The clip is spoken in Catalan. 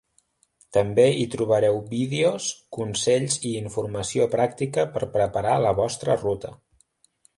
També hi trobareu vídeos, consells i informació pràctica per preparar la vostra ruta.